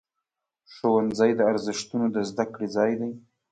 ښوونځی د ارزښتونو د زده کړې ځای دی.